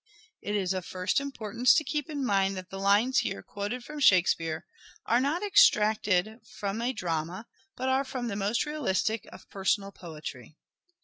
It is of first importance to keep in mind that the lines here quoted from " Shakespeare " are not extracted from a drama, but are from the most realistic of personal poetry.